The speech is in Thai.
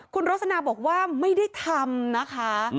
คุณรสนาบอกว่าไม่ได้ทำนะคะ